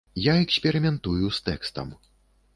Я эксперыментую з тэкстам.